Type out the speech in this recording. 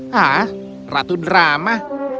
hah ratu drama